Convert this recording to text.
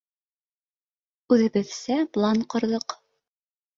Үҙебеҙсә план ҡорҙоҡ.